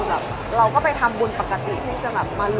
คือแบบเราก็ไปทำบุญปกติเพิ่งจะแบบมารู้